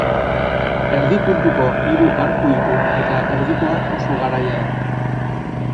Erdi puntuko hiru arku ditu eta erdikoa oso garaia da.